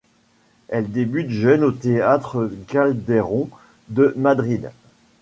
Elle débute jeune au théâtre Calderón de Madrid.